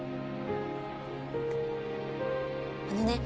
あのね